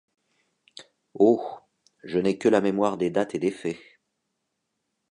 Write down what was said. Oh! je n’ai que la mémoire des dates et des faits.